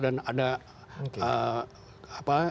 dan ada demonstrasi